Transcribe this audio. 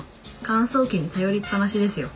乾燥機に頼りっぱなしですよ